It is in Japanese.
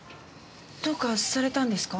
どうかされたんですか？